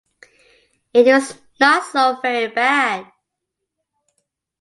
It was not so very bad.